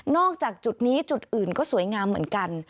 จากจุดนี้จุดอื่นก็สวยงามเหมือนกัน